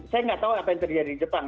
saya nggak tahu apa yang terjadi di jepang